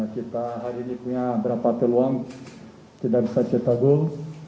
kita hari ini punya berapa peluang tidak bisa cetak gol